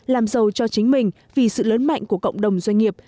làm giàu cho chính mình vì sự lớn mạnh của cộng đồng doanh nghiệp